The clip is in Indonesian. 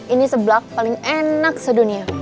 ini seblak paling enak sedunia